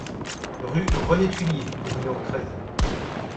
Rue René Thuillier au numéro treize